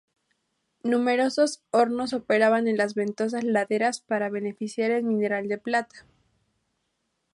Numerosos hornos operaban en las ventosas laderas para beneficiar el mineral de plata.